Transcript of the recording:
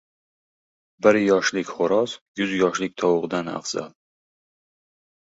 • Bir yoshlik xo‘roz yuz yoshlik tovuqdan afzal.